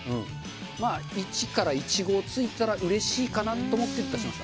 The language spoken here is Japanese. まあ、１から、１５ついたらうれしいかなと思って出しました。